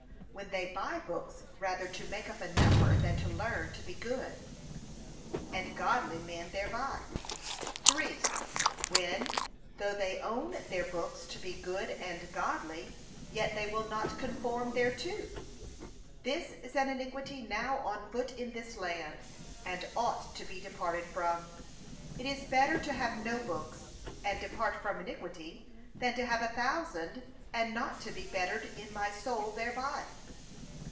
When they buy books rather to make up a number than to learn to be good and godly men thereby. (3.) When, though they own their books to be good and godly, yet they will not conform thereto. This is an iniquity now on foot in this land, and ought to be departed from. It is better to have no books, and depart from iniquity, than to have a thousand, and not to be bettered in my soul thereby.